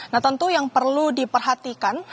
nah tentu yang perlu diperhatikan